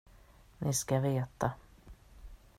Ni ska veta.